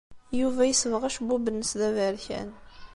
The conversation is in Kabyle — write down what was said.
Yuba yesbeɣ acebbub-nnes d aberkan.